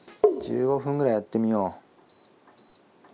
１５分ぐらいやってみよう。